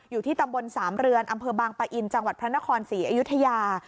อยู่ที่ตำบลสามเรือนอำเภอบางปะอินจังหวัดพระนครศรีอยุธยา